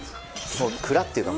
そう蔵っていうか。